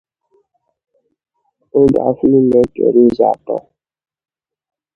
Oge afọ ime kere ụzọ atọ.